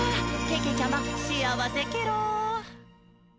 けけちゃま、しあわせケロ！」